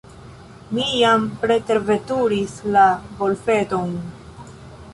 Ni jam preterveturis la golfeton.